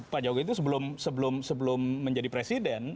pak jokowi itu sebelum menjadi presiden